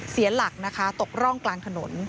เสียหลักนะคะตกร่องกลางถนน